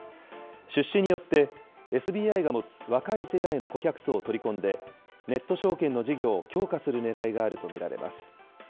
出資によって、ＳＢＩが持つ若い世代の顧客層を取り込んで、ネット証券の事業を強化するねらいがあると見られます。